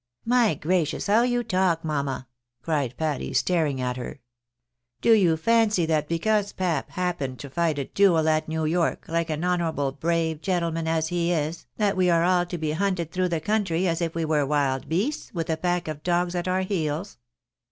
" My gracious ! how you talk, mamma !" cried Patty, staring at her. " Do you fancy that because pap happened to fight a duel at New York, like an honourable, brave gentleman as he is, that we are all to be hunted through the country, as if we were wild beasts, with a pack of dogs at our heels?"